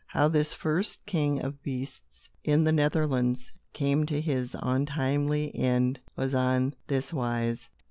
How this first king of beasts in the Netherlands came to his untimely end was on this wise.